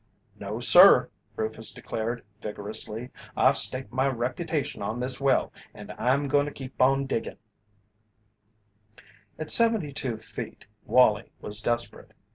"No, sir!" Rufus declared, vigorously. "I've staked my reputation on this well and I'm goin' to keep on diggin'." At seventy two feet Wallie was desperate.